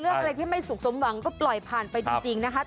เรื่องอะไรที่ไม่สุขสมหวังก็ปล่อยผ่านไปจริงนะคะ